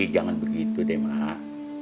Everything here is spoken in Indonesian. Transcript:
jangan begitu deh mak